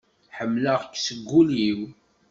Ḥemleɣ-k seg ul-iw.